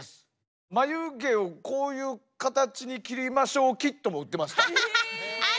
眉毛をこういうカタチに切りましょうキットも売ってました。